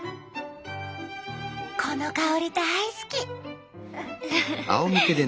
この香り大好き！